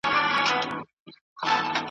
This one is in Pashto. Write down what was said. چي د ده د ژوند مالي اړتیاوي دي پوره کړي ,